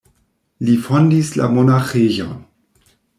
Li fondis la monaĥejon.